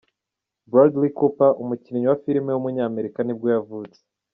Bradley Cooper, umukinnyi wa filime w’umunyamerika nibwo yavutse.